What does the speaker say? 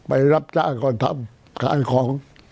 รับจ้างก่อนทำขายของ